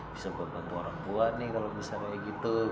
bisa bantu orang tua nih kalau bisa kayak gitu